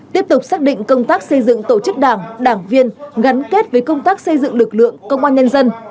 tiếp tục xác định công tác xây dựng tổ chức đảng đảng viên gắn kết với công tác xây dựng lực lượng công an nhân dân